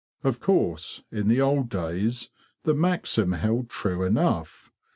Of course, in the old days, the maxim held true enough.